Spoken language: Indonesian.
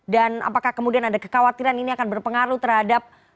dan apakah kemudian ada kekhawatiran ini akan berpengaruh terhadap